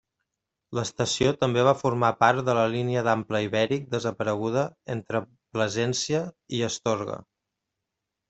L'estació també va formar part de la línia d'ample ibèric desapareguda entre Plasència i Astorga.